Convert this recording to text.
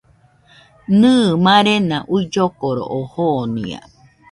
Nɨ, marena uilloforo oo jonia